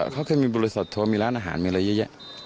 เขาเคยมีบริษัททัวร์มีร้านอาหารมีอะไรเยอะแยะ